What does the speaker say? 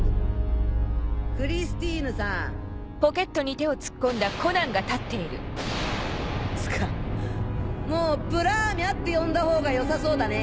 クリスティーヌさん・つかもうプラーミャって呼んだほうがよさそうだね。